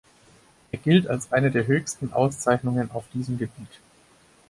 Er gilt als eine der höchsten Auszeichnungen auf diesem Gebiet.